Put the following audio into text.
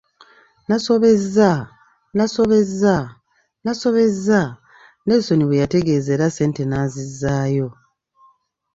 Nasobezza, nasobezza, nasobezza, Nelisoni bwe yategeeza era sente n'azizaayo.